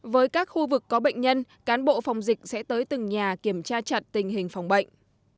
với các khu vực có bệnh nhân cán bộ phòng dịch sẽ tới từng nhà kiểm tra chặt tình hình phòng bệnh